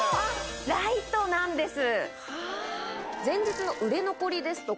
ライトなんです。